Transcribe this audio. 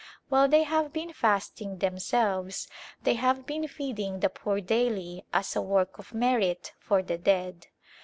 While they have been fasting themselves they have been feeding the poor daily as a work of merit for the dead.